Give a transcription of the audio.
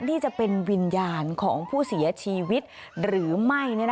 นี่จะเป็นวิญญาณของผู้เสียชีวิตหรือไม่